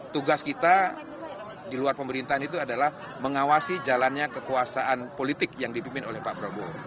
tugas kita di luar pemerintahan itu adalah mengawasi jalannya kekuasaan politik yang dipimpin oleh pak prabowo